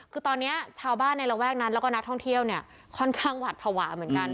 คือตอนนี้ชาวบ้านในระแวกนั้นแล้วก็นักท่องเที่ยวเนี่ยค่อนข้างหวัดภาวะเหมือนกัน